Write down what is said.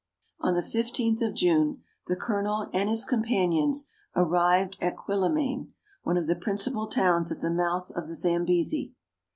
On the 15th of June the Colonel and his companions arrived at Quilimane, one of the principal towns at the mouth of the Zambesi.